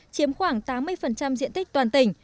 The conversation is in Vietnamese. chiếm khoảng tám mươi diện tích toàn tỉnh